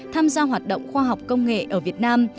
tham gia hoạt động khoa học công nghệ ở việt nam